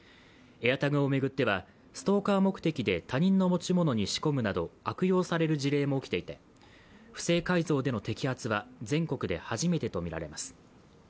ＡｉｒＴａｇを巡ってはストーカー目的で他人の持ち物に仕込むなど、悪用される事例も起きていて不正改造での摘発は全国で初めてとみられます。